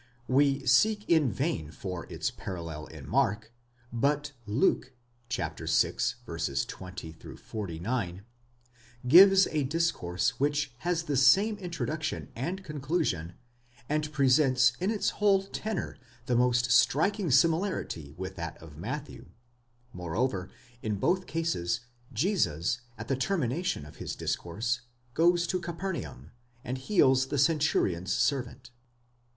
We seek in vain for its parallel in Mark, but Luke (vi. 20 49) gives a discourse which has the same introduction and conclusion, and présents in its whole tenor the most striking similarity with that of Matthew; moreover, in both cases, Jesus, at the termination of his discourse, goes to Capernaum, and heals the centurion's servant.